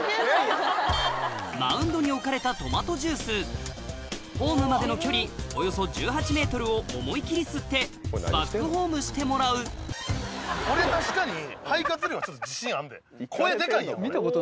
マウンドに置かれたトマトジュースホームまでの距離およそ１８ｍを思い切り吸ってバックホームしてもらう確かに。